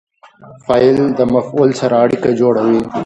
فاعل د مفعول سره اړیکه جوړوي.